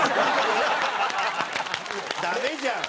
ダメじゃん。